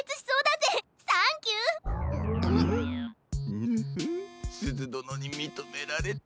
ンヅフゥすずどのにみとめられた？